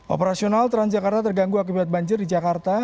operasional transjakarta terganggu akibat banjir di jakarta